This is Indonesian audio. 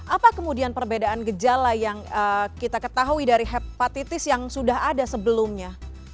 apa kemudian perbedaan gejala yang kita ketahui dari hepatitis yang sudah ada sebelumnya